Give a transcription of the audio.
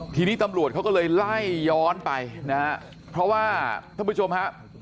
ทีนี้ตำรวจเขาก็เลยไล่ย้อนไปนะฮะเพราะว่าท่านผู้ชมฮะ